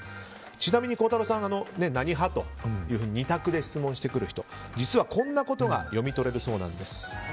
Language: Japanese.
ちなみに孝太郎さん何派というふうに２択で質問してくる人実はこんなことが読み取れるそうなんです。